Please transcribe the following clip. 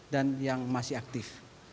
dan yang masih aktif